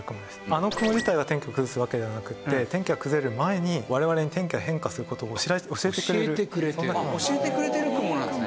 あの雲自体が天気を崩すわけではなくて天気が崩れる前に我々に天気が変化する事を教えてくれるそんな雲なんです。